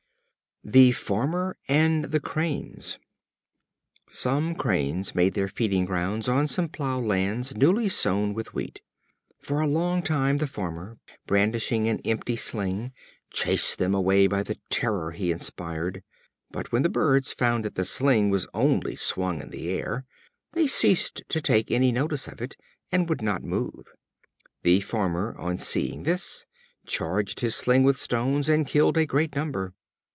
The Farmer and the Cranes. Some Cranes made their feeding grounds on some plough lands newly sown with wheat. For a long time the Farmer, brandishing an empty sling, chased them away by the terror he inspired; but when the birds found that the sling was only swung in the air, they ceased to take any notice of it, and would not move. The farmer, on seeing this, charged his sling with stones, and killed a great number.